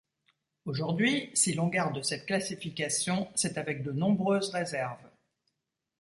Aujourd'hui, si l'on garde cette classification c'est avec de nombreuses réserves.